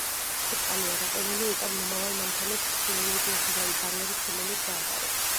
თუ წყალია გაყინული, უკან მომავალ მანქანებს ხილული, თუ უხილავი ბარიერის შემოვლით გაატარებს.